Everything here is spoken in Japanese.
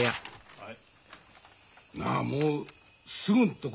はい。